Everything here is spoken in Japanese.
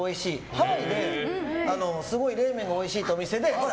ハワイですごい冷麺がおいしいお店で。